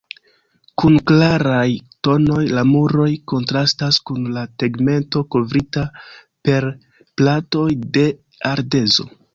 Kun klaraj tonoj, la muroj kontrastas kun la tegmento, kovrita per platoj de ardezo.